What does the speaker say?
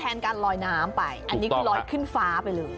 การลอยน้ำไปอันนี้คือลอยขึ้นฟ้าไปเลย